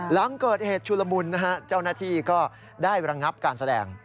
หลังเกิดเหตุชุลมุนนะฮะเจ้าหน้าที่ก็ได้ระงับการแสดง